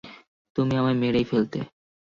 তুমি আমায় মেরেই ফেলতে!